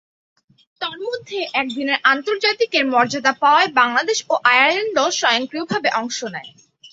তন্মধ্যে একদিনের আন্তর্জাতিকের মর্যাদা পাওয়ায় বাংলাদেশ ও আয়ারল্যান্ড দল স্বয়ংক্রিয়ভাবে অংশ নেয়।